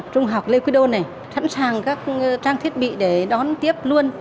trung học lê quy đôn này thẳng sàng các trang thiết bị để đón tiếp luôn